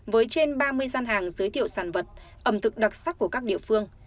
với trên ba mươi gian hàng giới thiệu sản vật ẩm thực đặc sắc của các địa phương